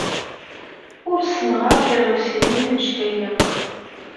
Ur ssemɣar tiɣawsiwin anect-a akk.